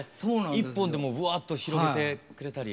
１本でもぶわっと広げてくれたり。